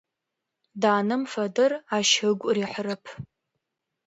Данэм фэдэр ащ ыгу рихьырэп.